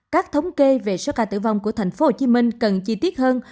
các thống kê về số ca tử vong của tp hcm cần chi tiết hơn